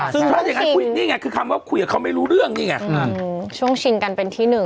ถูกป่ะถ้าอย่างนั้นคุยกับเขาไม่รู้เรื่องนี่ไงช่วงชินกันเป็นที่หนึ่ง